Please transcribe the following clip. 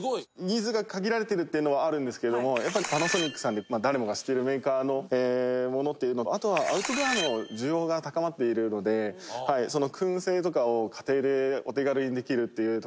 「ニーズが限られてるっていうのはあるんですけれどもやっぱりパナソニックさんで誰もが知ってるメーカーのものっていうのとあとはアウトドアの需要が高まっているので燻製とかを家庭でお手軽にできるっていうところで」